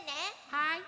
はい。